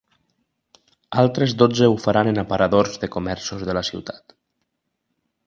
Altres dotze ho faran en aparadors de comerços de la ciutat.